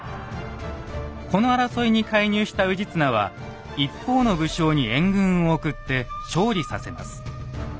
この争いに介入した氏綱は一方の武将に援軍を送って勝利させます。